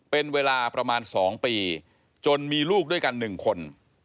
เป็นเวลาประมาณ๒ปีจนมีลูกด้วยกัน๑คน